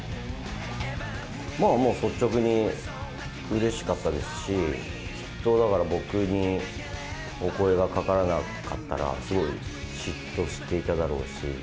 もう率直にうれしかったですし、きっとだから、僕にお声がかからなかったら、すごい嫉妬していただろうし。